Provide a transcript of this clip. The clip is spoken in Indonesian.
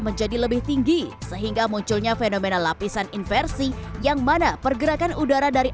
menjadi lebih tinggi sehingga munculnya fenomena lapisan inversi yang mana pergerakan udara dari